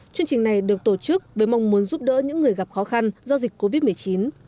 chương trình này được tổ chức với mong muốn giúp đỡ những người gặp khó khăn do dịch covid một mươi chín